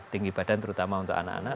tinggi badan terutama untuk anak anak